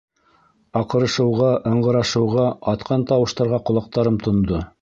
Аҡырышыуға, ыңғырашыуға, атҡан тауыштарға ҡолаҡтарым тондо.